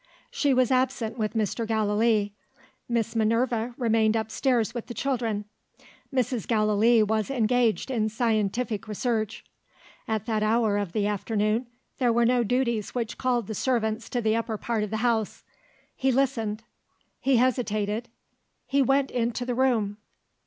She was absent with Mr. Gallilee. Miss Minerva remained upstairs with the children. Mrs. Gallilee was engaged in scientific research. At that hour of the afternoon, there were no duties which called the servants to the upper part of the house. He listened he hesitated he went into the room.